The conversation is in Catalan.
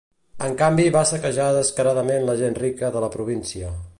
En canvi va saquejar descaradament la gent rica de la província.